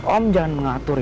om jangan mengatur ya om